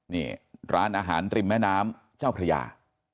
นี่ร้านอาหารริมแม่น้ำเจ้าพระยา